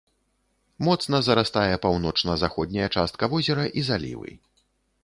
Моцна зарастае паўночна-заходняя частка возера і залівы.